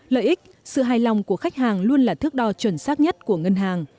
lợi ích sự hài lòng của khách hàng luôn là thước đo chuẩn xác nhất của ngân hàng